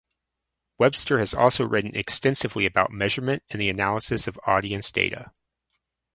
Webster has also written extensively about measurement and the analysis of audience data.